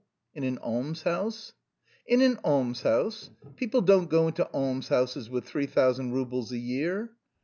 "In an almshouse?" "In an almshouse? People don't go into almshouses with three thousand roubles a year.